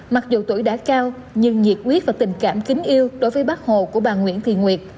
mặc dù tuổi đã cao nhưng nhiệt quyết và tình cảm kính yêu đối với bác hồ của bà nguyễn thị nguyệt